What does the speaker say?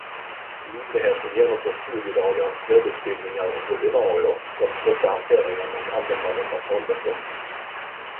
Myndigheten genomför studiedagar, webbutbildningar och webbinarier för att stötta hanteringen och användandet av talböcker.